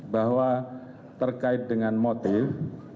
bahwa terkait dengan motif